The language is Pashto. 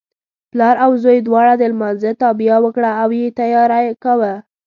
پلار او زوی دواړو د لمانځه تابیا وکړه او یې تیاری کاوه.